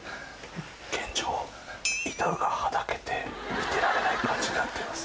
現状、板がはだけて見てられない感じになってます。